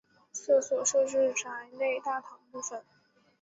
厕所设置于闸内大堂部分。